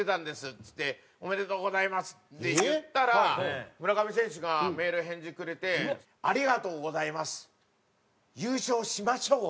っつって「おめでとうございます！」って言ったら村上選手がメール返事くれて「ありがとうございます！」「優勝しましょう！」ってきたんですよ。